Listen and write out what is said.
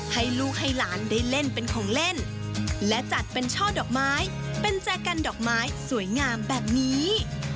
ให้ลูกให้หลานได้เล่นเป็นของเล่นและจัดเป็นช่อดอกไม้เป็นแจกันดอกไม้สวยงามแบบนี้